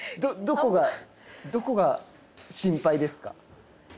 どこが心配ですか。